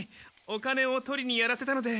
お金を取りにやらせたので。